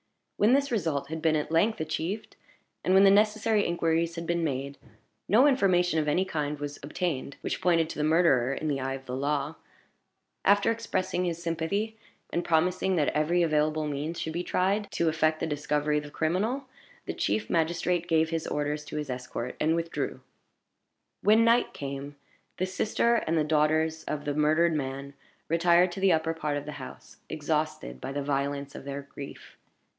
When this result had been at length achieved, and when the necessary inquiries had been made, no information of any kind was obtained which pointed to the murderer, in the eye of the law. After expressing his sympathy, and promising that every available means should be tried to effect the discovery of the criminal, the chief magistrate gave his orders to his escort, and withdrew. When night came, the sister and the daughters of the murdered man retired to the upper part of the house, exhausted by the violence of their grief.